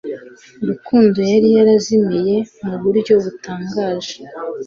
Rukundo yari yarazimiye mu buryo butangaje